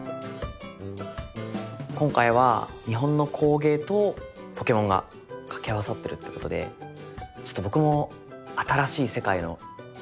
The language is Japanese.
今回は日本の工芸とポケモンが掛け合わさってるってことでちょっと僕も新しい世界の入り口にいるというか。